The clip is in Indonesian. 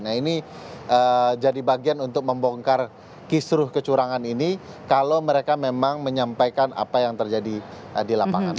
nah ini jadi bagian untuk membongkar kisruh kecurangan ini kalau mereka memang menyampaikan apa yang terjadi di lapangan